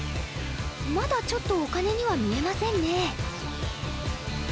まだちょっとお金には見えませんね